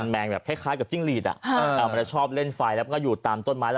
แมงแบบคาดกับจิ้งหลีดอ่ะชอบเล่นไฟแล้วถามต้นไม้